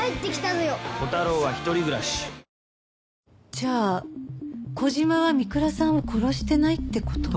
じゃあ小島は三倉さんを殺してないって事？